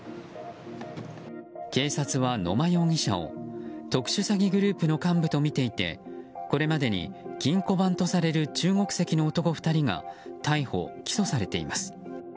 警察は野間容疑者を特殊詐欺グループの幹部とみていてこれまでに金庫番とされる中国籍の男２人が逮捕・起訴されています。